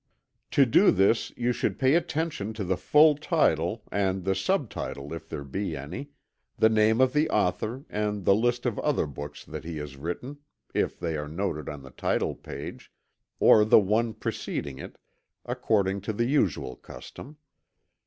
To do this you should pay attention to the full title, and the sub title, if there be any; the name of the author and the list of other books that he has written, if they are noted on the title page, or the one preceding it, according to the usual custom.